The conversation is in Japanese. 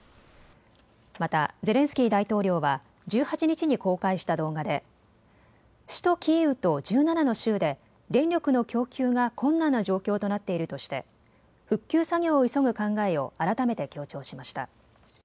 またゼレンスキー大統領は１８日に公開した動画で首都キーウと１７の州で電力の供給が困難な状況となっているとして復旧作業を急ぐ考えを改めて強調しました。